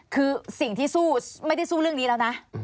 คือสิ่งที่สู้ไม่ได้สู้เรื่องนี้แล้วนะ